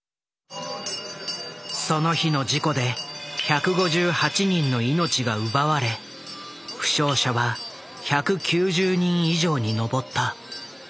その日の事故で１５８人の命が奪われ負傷者は１９０人以上に上った。